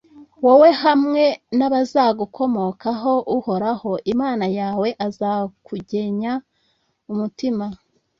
wowe hamwe n’abazagukomokaho, uhoraho imana yawe azakugenya umutima,